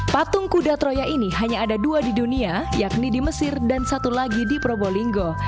patung kuda troya ini hanya ada dua di dunia yakni di mesir dan satu lagi di probolinggo